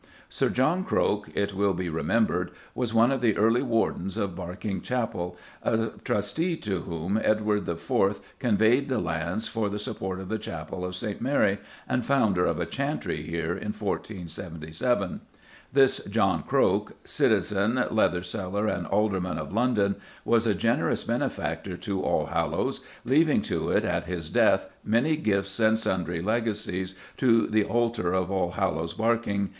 Sir John Croke, it will be remembered, was one of the early wardens of Berkinge Chapel, a trustee to whom Edward IV. "conveyed lands for the support of the Chapel of St. Mary" and founder of a chantry here in 1477. This John Croke, "citizen, leather seller, and alderman of London," was a generous benefactor to Allhallows, leaving to it at his death many gifts and sundry legacies "to the altar of Allhallows Bkg.